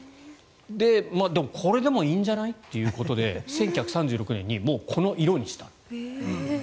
でもこれでもいいんじゃない？ということで１９３６年にこの色にした。